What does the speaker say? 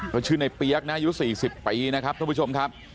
ก็ชื่อในเปี๊ยกนะอายุ๔๐ปีนะครับทุกผู้ชมครับ